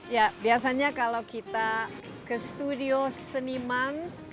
ya biasanya kalau kita ke studio seniman